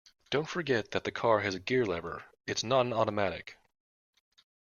Don't forget that the car has a gear lever; it's not an automatic